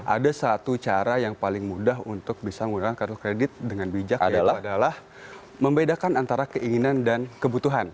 ada satu cara yang paling mudah untuk bisa menggunakan kartu kredit dengan bijak adalah membedakan antara keinginan dan kebutuhan